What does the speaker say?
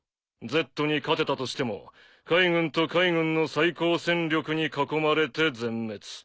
Ｚに勝てたとしても海軍と海軍の最高戦力に囲まれて全滅。